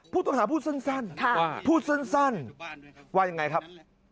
พูดต่างหากพูดสั้นพูดสั้นว่าอย่างไรครับ